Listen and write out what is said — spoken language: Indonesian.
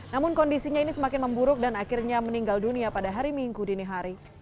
namun kondisinya ini semakin memburuk dan akhirnya meninggal dunia pada hari minggu dini hari